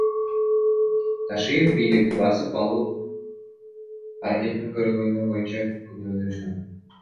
Ташиевди бийликти басып алуу аракетин көргөнү боюнча күнөөлөшкөн.